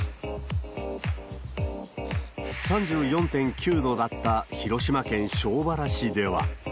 ３４．９度だった広島県庄原市では。